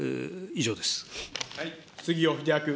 杉尾秀哉君。